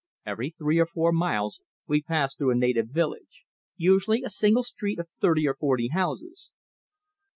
Every three or four miles we passed through a native village usually a single street of thirty or forty houses.